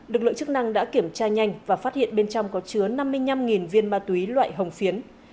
lực lượng chức năng đã kiểm tra nhanh và phát hiện bên trong có chứa năm mươi năm viên ma túy loại hồng phiến